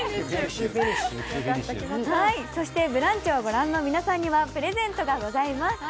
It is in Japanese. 「ブランチ」を御覧の皆さんにはプレゼントがございます。